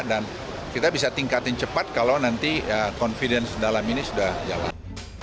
dan kita bisa tingkatin cepat kalau nanti confidence dalam ini sudah jalan